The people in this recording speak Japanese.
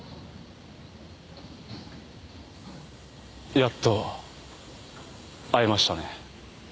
やっと会えましたね。